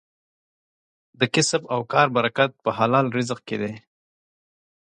د کسب او کار برکت په حلال رزق کې دی.